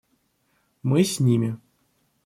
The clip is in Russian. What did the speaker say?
Мы с ними.